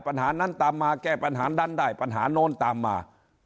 ปัญหานั้นตามมาแก้ปัญหานั้นได้ปัญหาโน้นตามมา